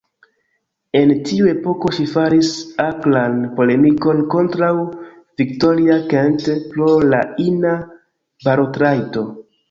En tiu epoko ŝi faris akran polemikon kontraŭ Victoria Kent pro la ina balotrajto.